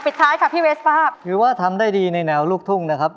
ท้ายค่ะพี่เวสป้าถือว่าทำได้ดีในแนวลูกทุ่งนะครับ